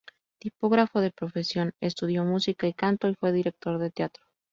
Tipógrafo de profesión, estudió música y canto y fue director de teatro.